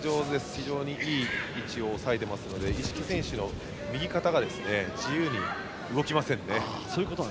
非常に、いい位置を押さえていますので一色選手の右肩が自由に動きませんね。